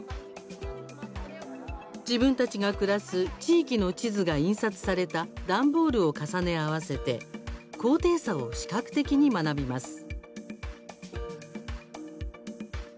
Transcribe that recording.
自分たちが暮らす地域の地図が印刷された段ボールを重ね合わせて高低差を視覚的に学びます。